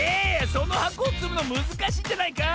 そのはこをつむのむずかしいんじゃないか？